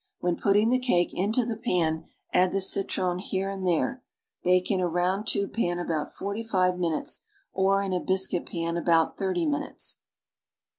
When putting the cake into the pan, add the citron here and there. Bake in a round tube pan about forty five minutes, or in a biscuit pan about thirty minutes.